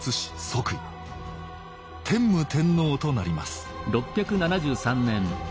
天武天皇となります